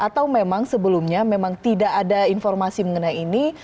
atau memang sebelumnya memang tidak ada informasi mengenai ini